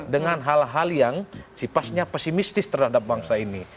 dengan hal hal yang sifatnya pesimistis terhadap bangsa ini